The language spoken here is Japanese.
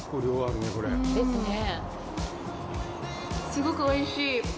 すごくおいしい。